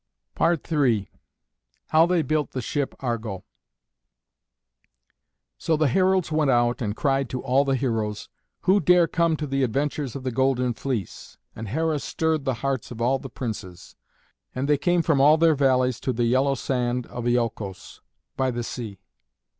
III HOW THEY BUILT THE SHIP ARGO So the heralds went out and cried to all the heroes, "Who dare come to the adventures of the Golden Fleece?" And Hera stirred the hearts of all the Princes, and they came from all their valleys to the yellow sand of Iolcos by the sea.